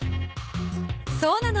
そうなの。